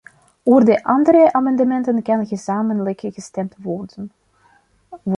Over de andere amendementen kan gezamenlijk gestemd worden.